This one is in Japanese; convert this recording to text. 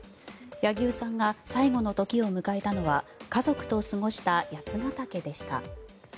柳生さんが最後の時を迎えたのは家族と過ごした八ケ岳でした。